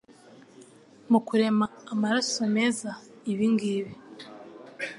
mu kurema amaraso meza. Ibingibi